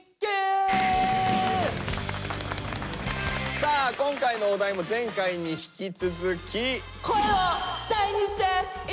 さあ今回のお題も前回に引き続き。